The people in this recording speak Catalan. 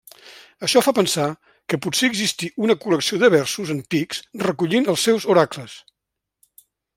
Això fa pensar que potser existí una col·lecció de versos antics recollint els seus oracles.